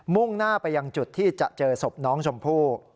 ่งหน้าไปยังจุดที่จะเจอศพน้องชมพู่